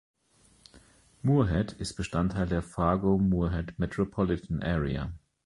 Moorhead ist Bestandteil der "Fargo–Moorhead Metropolitan Area".